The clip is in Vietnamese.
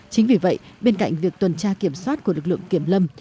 chính vì vậy bên cạnh việc tuần tra kiểm soát của lực lượng kiểm lâm